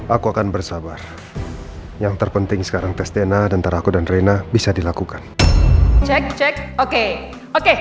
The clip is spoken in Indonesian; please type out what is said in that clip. aku akan bersabar yang terpenting sekarang tes dna dan teraku dan rina bisa dilakukan cek cek oke oke